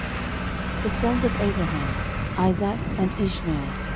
13:001:028 The sons of Abraham; Isaac, and Ishmael.